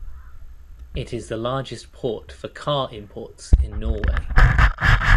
It is the largest port for car imports in Norway.